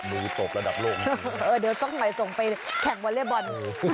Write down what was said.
มือตกระดับโลกเออเดี๋ยวซ่อมใหม่ส่งไปแข่งวอเล็ตบอล